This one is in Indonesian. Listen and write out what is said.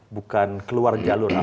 bukan keluar jalur apalagi